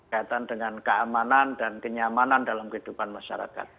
kaitan dengan keamanan dan kenyamanan dalam kehidupan masyarakat